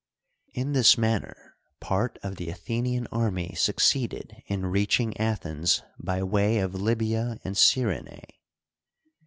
In this manner part of the Athenian army succeeded in reaching Athens by way of Libya and Cyrenae.